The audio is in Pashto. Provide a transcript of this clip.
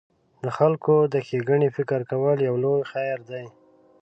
د خلکو د ښېګڼې فکر کول یو لوی خیر دی.